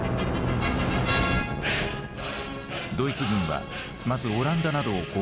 ドイツ軍はまずオランダなどを攻撃。